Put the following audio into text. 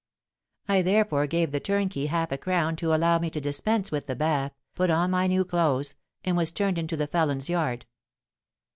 I therefore gave the turnkey half a crown to allow me to dispense with the bath, put on my new clothes, and was turned into the Felons' Yard.